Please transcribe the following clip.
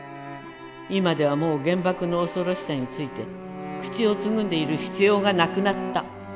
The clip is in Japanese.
今ではもう原爆の怖ろしさについて口をつぐんでいる必要がなくなった。